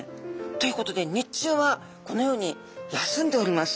ということで日中はこのように休んでおります。